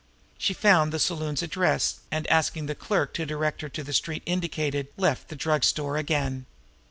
She found the saloon's address, and, asking the clerk to direct her to the street indicated, left the drug store again.